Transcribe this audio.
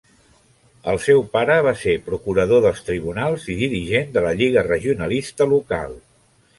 El seu pare va ser procurador dels tribunals i dirigent de la Lliga Regionalista local.